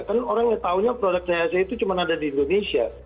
kan orang yang tahunya produk chse itu cuma ada di indonesia